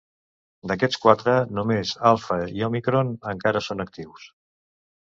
D"aquests quatre, només Alpha i Omicron encara són actius.